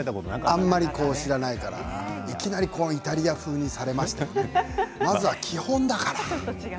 あまり知らないからいきなりイタリア風にされましても、まずは基本だから。